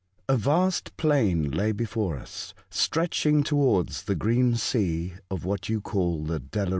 A vast plain lay before us, stretching towards the green sea of what you call the Delarue Ocean.